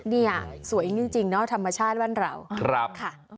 เนี้ยสวยจริงจริงเนอะธรรมชาติบ้านเราครับ